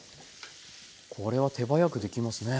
これは手早くできますね。